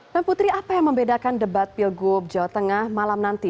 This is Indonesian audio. putri apa yang membedakan debat pilgub jawa tengah malam nanti